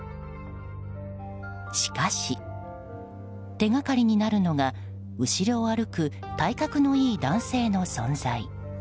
しかし、手掛かりになるのが後ろを歩く体格のいい男性の存在。